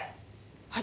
はい。